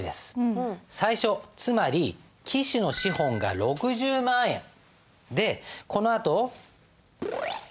最初つまり期首の資本が６０万円でこのあとジャン。